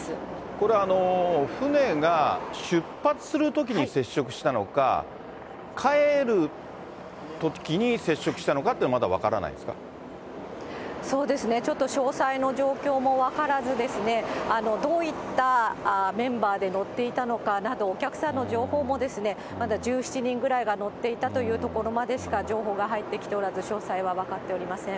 これ、船が出発するときに接触したのか、帰るときに接触したのかっていうのは、そうですね、ちょっと詳細の状況も分からずですね、どういったメンバーで乗っていたのかなど、お客さんの情報もまだ１７人ぐらいが乗っていたというところまでしか情報が入ってきておらず、詳細は分かっておりません。